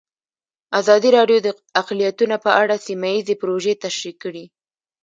ازادي راډیو د اقلیتونه په اړه سیمه ییزې پروژې تشریح کړې.